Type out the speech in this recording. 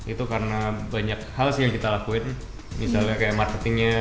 itu karena banyak hal sih yang kita lakuin misalnya kayak marketingnya